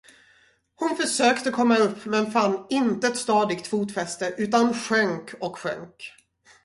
Hon försökte komma upp, men fann intet stadigt fotfäste, utan sjönk och sjönk.